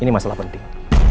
ini masalah penting